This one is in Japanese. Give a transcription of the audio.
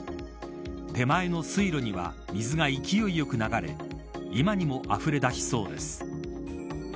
手前の水路には水が勢いよく流れ今にもあふれ出しそうです。